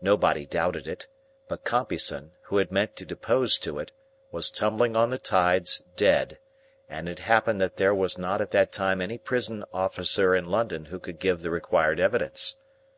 Nobody doubted it; but Compeyson, who had meant to depose to it, was tumbling on the tides, dead, and it happened that there was not at that time any prison officer in London who could give the required evidence.